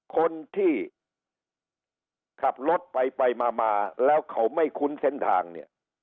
คนที่ขับรถไปไปมาแล้วเขาไม่คุ้นเส้นทางเนี่ย